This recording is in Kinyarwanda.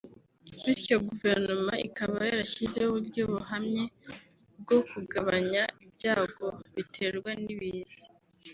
bityo guverinoma ikaba yarashyizeho uburyo buhamye bwo kugabanya ibyago biterwa n’ibiza